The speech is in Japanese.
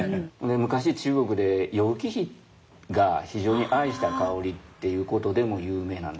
昔中国で楊貴妃が非常に愛した香りっていうことでも有名なんですよ。